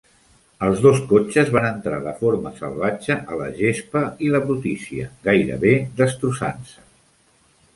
Els dos cotxes van entrar de forma salvatge a la gespa i la brutícia, gairebé destrossant-se.